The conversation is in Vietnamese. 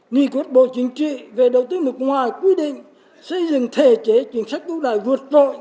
nghị quyết bộ chính trị về đầu tư nước ngoài quy định xây dựng thể chế chính sách ưu đại vượt trội